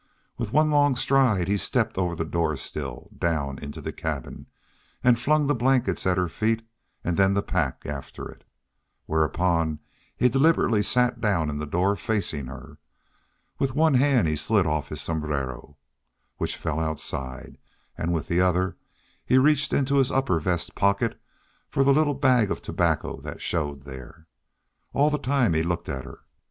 With one long stride he stepped over the doorsill, down into the cabin, and flung the blankets at her feet and then the pack after it. Whereupon he deliberately sat down in the door, facing her. With one hand he slid off his sombrero, which fell outside, and with the other he reached in his upper vest pocket for the little bag of tobacco that showed there. All the time he looked at her.